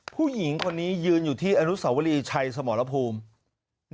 ผู้หญิงคนนี้ยืนอยู่ที่อนุสาวรีชัยสมรภูมิ